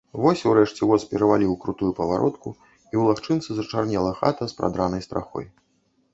Вось урэшце воз пераваліў крутую паваротку, і ў лагчынцы зачарнела хата з прадранай страхой.